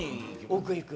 奥行く。